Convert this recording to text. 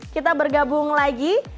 kita bergabung lagi